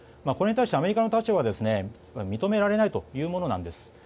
これに対してアメリカの立場は認められないというものです。